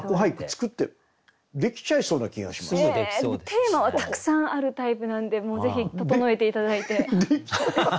テーマはたくさんあるタイプなんでもうぜひ整えて頂いて。